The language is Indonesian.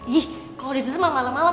ih kalo dinner mah malam malam